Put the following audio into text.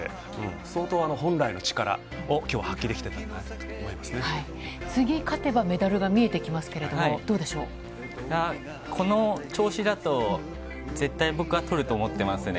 相当、本来の力をきょう発揮でき次勝てば、メダルが見えてきこの調子だと、絶対僕はとると思ってますね。